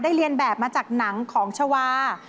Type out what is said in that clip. เรียนแบบมาจากหนังของชาวา